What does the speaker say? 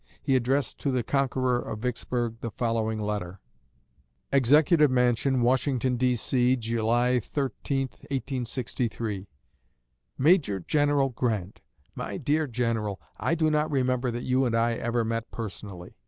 He addressed to the conqueror of Vicksburg the following letter: EXECUTIVE MANSION, WASHINGTON, D.C. July 13, 1863. MAJOR GENERAL GRANT. MY DEAR GENERAL: I do not remember that you and I ever met personally.